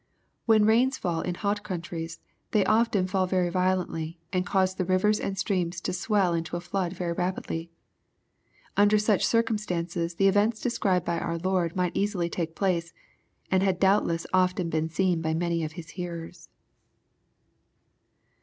When rains fall in hot countries they often fall very violently, and cause the rivers and streams to swell into a flood very rapidly. Under such circumstances the events described by our Lord might easily take place, and had doubtless often been seen by many of His hearers.